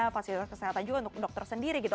fasilitas kesehatan juga untuk dokter sendiri gitu